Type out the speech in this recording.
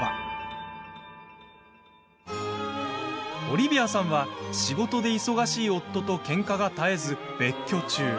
オリビアさんは仕事で忙しい夫とけんかが絶えず別居中。